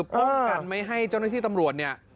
ป้องกันไม่ให้เจ้าหน้าที่ตำรวจเนี่ย